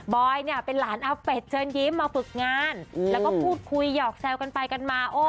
อยเนี่ยเป็นหลานอาเป็ดเชิญยิ้มมาฝึกงานแล้วก็พูดคุยหยอกแซวกันไปกันมา